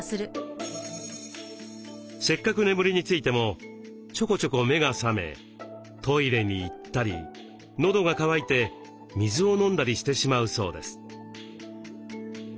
せっかく眠りについてもちょこちょこ目が覚めトイレに行ったり喉が渇いて水を飲んだりしてしまうそうです。